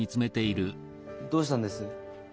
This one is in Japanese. どうしたんです？